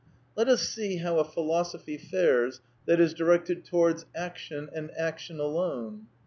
Let us see how a philosophy fares that is directed to wards action and action alone.